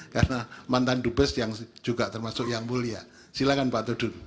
karena mantan dubes yang juga termasuk yang mulia silahkan pak todung